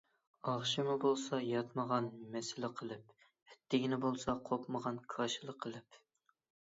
ئاخشىمى بولسا ياتمىغان مەسلە قىلىپ ئەتىگىنى بولسا قوپمىغان كاشىلا قىلىپ